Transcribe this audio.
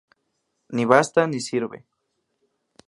Ni basta ni sirve.